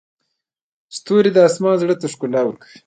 ستوري د اسمان زړه ته ښکلا ورکوي.